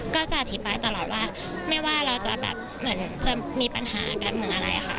ก็จะอธิบายตลอดว่าไม่ว่าเราจะมีปัญหาการเมืองอะไร